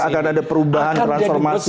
akan ada perubahan transformasi